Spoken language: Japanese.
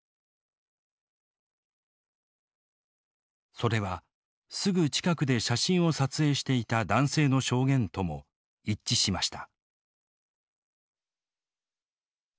それはすぐ近くで写真を撮影していた男性の証言とも一致しました。